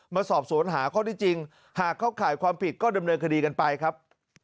มาสอบสวนหาข้อที่จริงหากเข้าข่ายความผิดก็ดำเนินคดีกันไปครับ